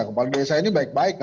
kepala desa ini baik baik